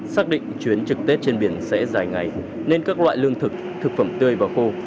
xác định chuyến trực tết trên biển sẽ dài ngày nên các loại lương thực thực phẩm tươi và khô